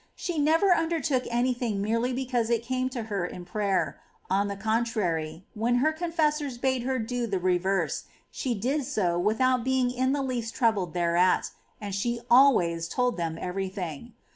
She never undertook any thing merely because it came to her in prayer ; on the contrary, when her confessors bade her do the re verse, she did so without being in the least troubled thereat, and she always told them every thing.